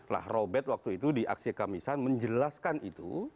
lah robert waktu itu di aksi kamisan menjelaskan itu